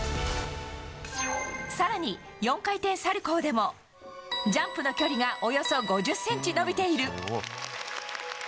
更に４回転サルコウでもジャンプの距離がおよそ５０ｃｍ延びている。